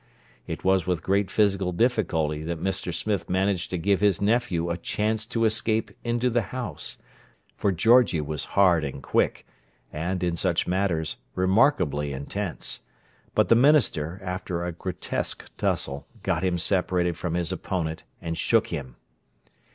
It was with great physical difficulty that Mr. Smith managed to give his nephew a chance to escape into the house, for Georgie was hard and quick, and, in such matters, remarkably intense; but the minister, after a grotesque tussle, got him separated from his opponent, and shook him.